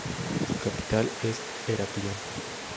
Su capital es Heraclión.